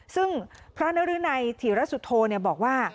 ซึ่งพระนฤนัยธีรสุโธเนี่ยบอกว่า